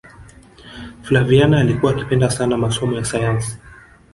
flaviana alikuwa akipenda sana masomo ya sayansi